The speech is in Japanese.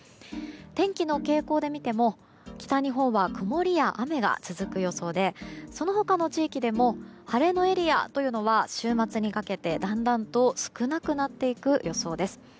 天気の傾向で見ても北日本は曇りや雨が続く予想でその他の地域でも晴れのエリアというのは週末にかけてだんだんと少なくなっていく予想です。